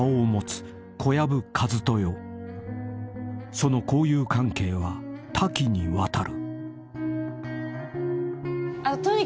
［その交友関係は多岐にわたる］